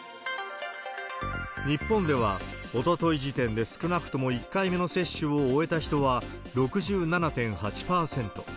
日本では、おととい時点で少なくとも１回目の接種を終えた人は６７．８％。